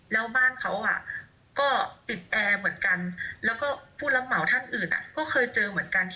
แล้วบ้านเขาก็ติดแอร์เหมือนกันแล้วก็ผู้รับเหมาท่านอื่นก็เคยเจอเหมือนกัน